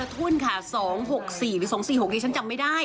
ทุนค่ะ๒๖๔หรือ๒๔๖นี้ฉันจำไม่ได้